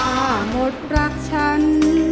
ถ้าหมดรักฉัน